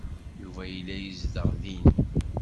Yuba yella yezdeɣ din.